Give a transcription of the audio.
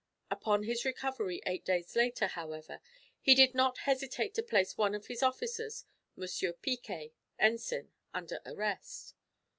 Upon his recovery eight days later, however, he did not hesitate to place one of his officers, M. Picquet, ensign, under arrest.